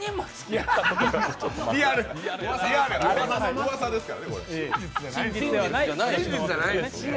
うわさですからね、これは。